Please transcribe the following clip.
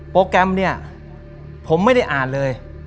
โปรแกรมนี้ผมไม่ได้อ่านเลย